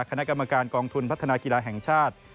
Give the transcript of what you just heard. คณะกรรมการกองทุนพัฒนากีฬาแห่งชาติ